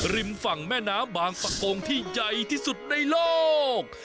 ริมฝั่งแม่น้ำบางปะโกงที่ใหญ่ที่สุดในโลก